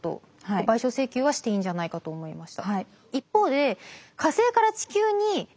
賠償請求はしていいんじゃないかと思いました。